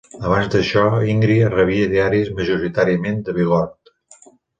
Abans d'això, Íngria rebia diaris majoritàriament de Viborg.